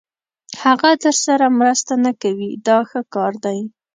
هغه درسره مرسته نه کوي دا ښه کار دی.